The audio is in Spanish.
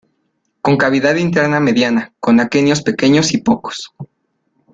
Con cavidad interna mediana, con aquenios pequeños y pocos.